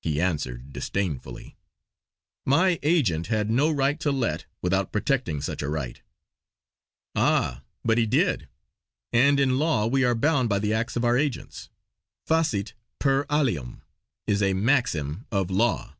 He answered disdainfully: "My agent had no right to let, without protecting such a right." "Ah, but he did; and in law we are bound by the acts of our agents. 'Facit per alium' is a maxim of law.